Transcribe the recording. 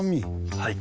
はい。